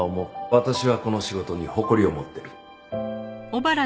私はこの仕事に誇りを持ってる。